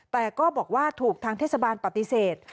แต่ก็บอกว่าถูกทางเทศบาลปฏิเสธ